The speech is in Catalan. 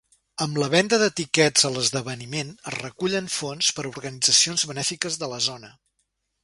Amb la venda de tiquets a l'esdeveniment es recullen fons per a organitzacions benèfiques de la zona.